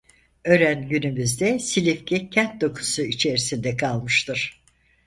Ören günümüzde Silifke kent dokusu içerisinde kalmıştır.